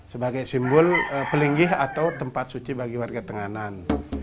sebagai simbol pelinggih atau tempat suci bagi warga tenganan